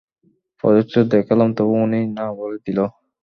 প্রজেক্টরে দেখালাম, তবুও উনি না বলে দিল।